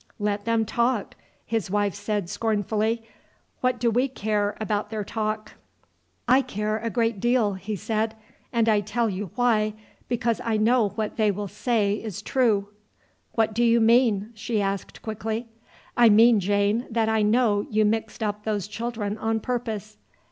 "Let them talk!" his wife said scornfully. "What do we care about their talk!" "I care a great deal," he said. "And I tell you why, because I know what they will say is true." "What do you mean?" she asked quickly. "I mean, Jane, that I know you mixed up those children on purpose."